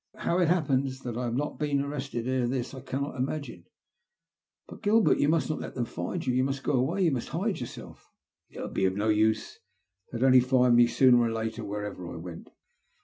How it happens that I have not been arrested ere this I cannot imagine." *' But, Gilbert, you must not let them find you. You must go away — ^you must hide yourself." " It would be no use, they would find me sooner or later, wherever I went."